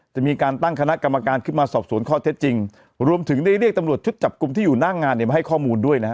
จะมีการตั้งคณะกรรมการขึ้นมาสอบสวนข้อเท็จจริงรวมถึงได้เรียกตำรวจชุดจับกลุ่มที่อยู่หน้างานเนี่ยมาให้ข้อมูลด้วยนะฮะ